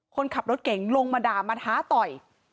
คนขับรถเก่งลงมาด่ามาท้าต่อย